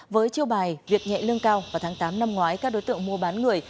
với chiêu bài việc nhẹ lương cao vào tháng tám năm ngoái các đối tượng mua bán người